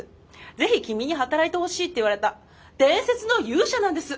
ぜひ君に働いてほしいって言われた伝説の勇者なんです。